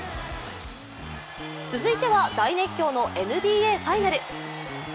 続いては大熱狂のＮＢＡファイナル。